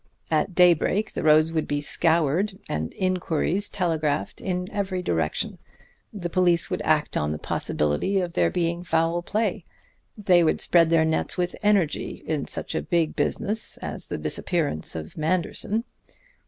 At daybreak the roads would be scoured and inquiries telegraphed in every direction. The police would act on the possibility of there being foul play. They would spread their nets with energy in such a big business as the disappearance of Manderson.